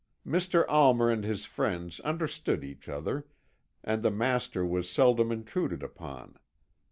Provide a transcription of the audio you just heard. Mr. Almer and his friends understood each other, and the master was seldom intruded upon.